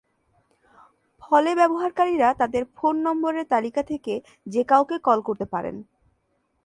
ফলে ব্যবহারকারীরা তাদের ফোন নম্বরের তালিকা থেকে যে কাউকে কল করে পারেন।